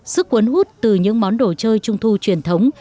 sức quấn hút từ những món đồ chơi trung thu truyền thống